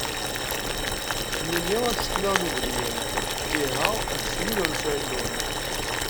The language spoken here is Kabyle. Kemmini a cetla n ubelyun, iha d smid ur nesɛi llun.